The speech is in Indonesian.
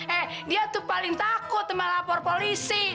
eh dia tuh paling takut sama lapor polisi